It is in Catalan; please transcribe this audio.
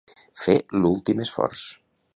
Fer l'últim esforç.